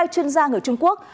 hai chuyên gia người trung quốc